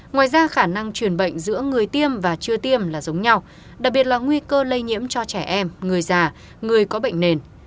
ngoài ra khả năng truyền bệnh giữa người tiêm và chưa tiêm là giống nhau đặc biệt là nguy cơ lây nhiễm cho trẻ em người già người có bệnh nền